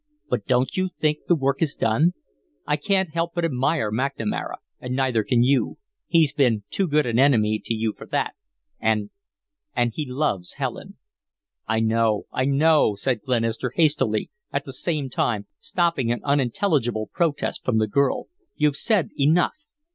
"But don't you think the work is done? I can't help but admire McNamara, and neither can you he's been too good an enemy to you for that and and he loves Helen." "I know I know," said Glenister, hastily, at the same time stopping an unintelligible protest from the girl. "You've said enough."